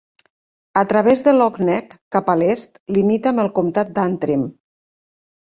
A través de Lough Neagh cap a l'est, limita amb el comtat d'Antrim.